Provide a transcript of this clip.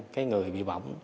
cái người bị bỏng